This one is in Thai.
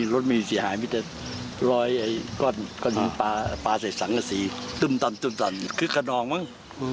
รถมีเสียหายไม่ได้รอยก้อนยิงปลาปลาใส่สังกษีตึ้มตันตึ้มตันคือขนองมั้ง